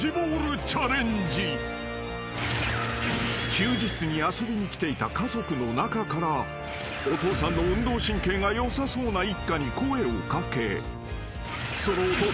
［休日に遊びに来ていた家族の中からお父さんの運動神経がよさそうな一家に声を掛け］